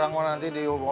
biar bulat dipress dulu